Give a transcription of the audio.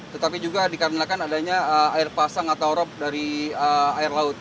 tetapi juga dikarenakan adanya air pasang atau rop dari air laut